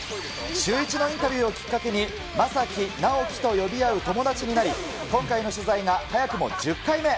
シューイチのインタビューをきっかけに将暉、直樹と呼び合う友達になり、今回の取材が早くも１０回目。